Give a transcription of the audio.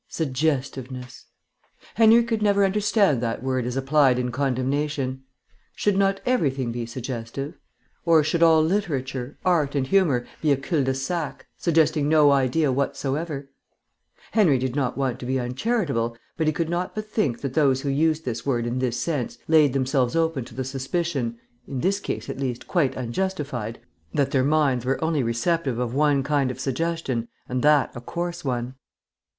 Suggestiveness. Henry could never understand that word as applied in condemnation. Should not everything be suggestive? Or should all literature, art, and humour be a cul de sac, suggesting no idea whatsoever? Henry did not want to be uncharitable, but he could not but think that those who used this word in this sense laid themselves open to the suspicion (in this case, at least, quite unjustified), that their minds were only receptive of one kind of suggestion, and that a coarse one.